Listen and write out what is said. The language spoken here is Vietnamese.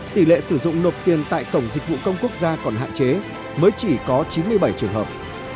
tỷ lệ sử dụng nộp tiền tại cổng dịch vụ công quốc gia còn hạn chế mới chỉ có chín mươi bảy trường hợp